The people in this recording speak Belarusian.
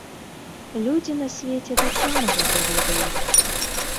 Людзі на свеце таксама гэта ведаюць.